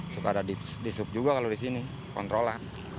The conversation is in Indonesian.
suka ada disup juga kalau di sini kontrola